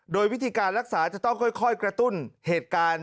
โดยวิธีการรักษาจะต้องค่อยกระตุ้นเหตุการณ์